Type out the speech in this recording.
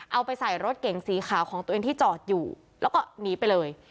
เอาไปใส่รถเก่งสีขาวของตัวเองที่จอดอยู่แล้วก็หนีไปเลย